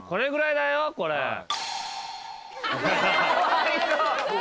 ・かわいそう！